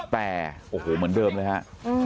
แต่โอ้โหเหมือนเดิมเลยฮะ